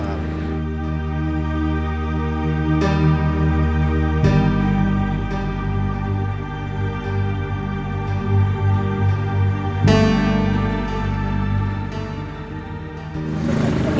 aku cuman pengen berteman sama kamu